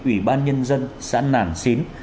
ủy ban nhân dân xã nản xín